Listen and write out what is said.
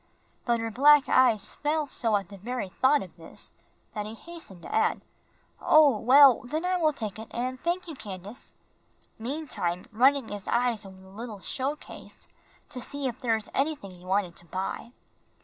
But her black eyes fell so at the very thought of this, that he hastened to add, "Oh, well, then I will take it and thank you, Candace," meantime running his eyes over the little show case to see if there was anything he wanted to buy.